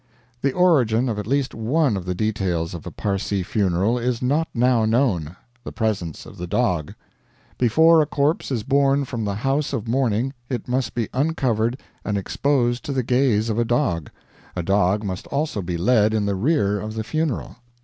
The origin of at least one of the details of a Parsee funeral is not now known the presence of the dog. Before a corpse is borne from the house of mourning it must be uncovered and exposed to the gaze of a dog; a dog must also be led in the rear of the funeral.